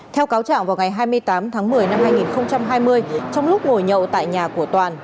theo cáo trạng vào ngày hai mươi tám tháng một mươi năm hai nghìn hai mươi trong lúc ngồi nhậu tại nhà của toàn